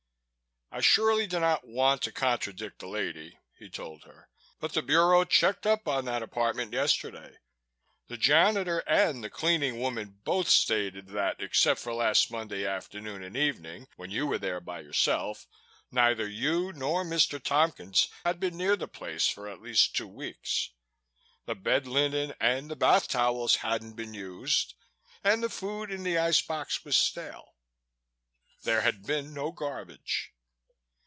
"I surely do not want to contradict a lady," he told her, "but the Bureau checked up on that apartment yesterday. The janitor and the cleaning woman both stated that, except for last Monday afternoon and evening when you were there by yourself, neither you nor Mr. Tompkins had been near the place for at least two weeks. The bed linen and the bath towels hadn't been used and the food in the ice box was stale. There had been no garbage."